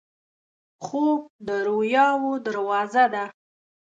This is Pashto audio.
خوب د رویاوو دروازه ده